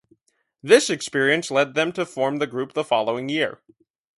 This experience led them to form the group the following year.